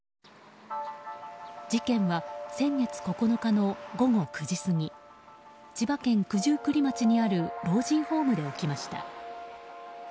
事件は先月９日の午後９時過ぎ千葉県九十九里町にある老人ホームで起きました。